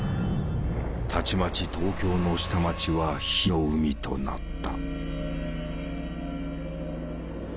たちまち東京の下町は火の海となった。